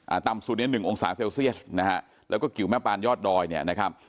อ่าต่ำสุดยัง๑องศาเซลเซียสนะฮะแล้วก็กิ๋วแม่ปานยอดดอยเนี่ยนะครับ